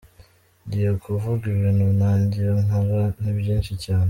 Ngiye kuvuga ibintu nagiye nkora ni byinshi cyane…”.